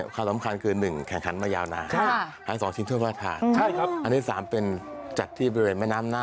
เพราะฉะนั้นใครพันสนามนี้จะขิบมา